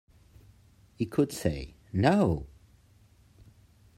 He could say "No!"